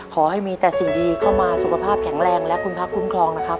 ขอให้มีแต่สิ่งดีเข้ามาสุขภาพแข็งแรงและคุณพระคุ้มครองนะครับ